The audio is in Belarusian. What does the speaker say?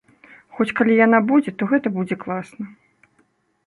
Хоць, калі яна будзе, то гэта будзе класна.